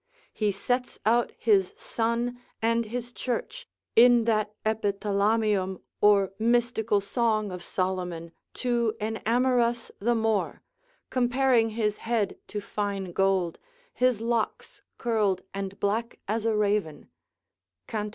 He sets out his son and his church in that epithalamium or mystical song of Solomon, to enamour us the more, comparing his head to fine gold, his locks curled and black as a raven, Cant.